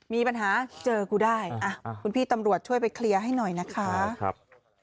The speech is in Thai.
มีปัญหาเจอกูได้อ่ะคุณพี่ตำรวจช่วยไปเคลียร์ให้หน่อยนะคะ